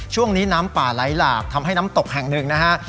ช่วงนี้น้ำป่าไหลหลากทำให้น้ำตกแห่งหนึ่งนะฮะ